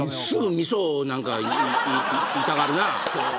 すぐ、みそを何か言いたがるな。